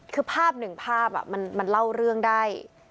คือภาพหนึ่งภาพมันเล่าเรื่องได้